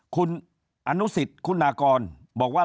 คุณอนุสิตคุณากรบอกว่า